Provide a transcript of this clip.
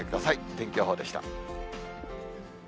天気予報でした。